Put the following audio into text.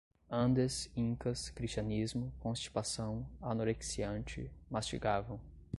Andes, Incas, cristianismo, constipação, anorexiante, mastigavam